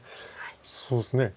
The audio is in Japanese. そうですね